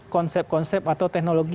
konsep konsep atau teknologi